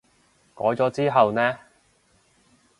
改咗之後呢？